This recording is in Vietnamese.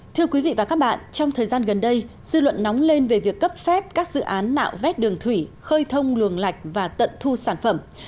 thưa quý vị và các bạn trong thời gian gần đây dư luận nóng lên về việc cấp phép các dự án nạo vét đường thủy khơi thông luồng lạch và tận thu sản phẩm